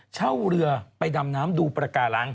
เช่าเรือไปดำน้ำดูประการัง